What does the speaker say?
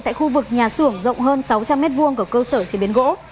tại khu vực nhà xưởng rộng hơn sáu trăm linh m hai của cơ sở chế biến gỗ